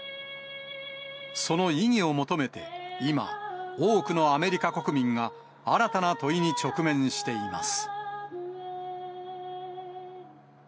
その意義を求めて今、多くのアメリカ国民が、新たな問いに直面しています。